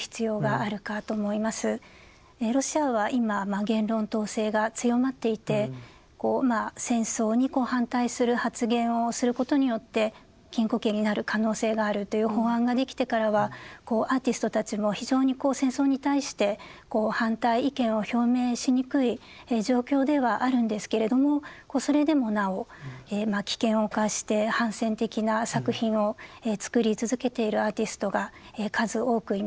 ロシアは今言論統制が強まっていてこうまあ戦争に反対する発言をすることによって禁錮刑になる可能性があるという法案が出来てからはアーティストたちも非常に戦争に対してこう反対意見を表明しにくい状況ではあるんですけれどもそれでもなお危険を冒して反戦的な作品を作り続けているアーティストが数多くいます。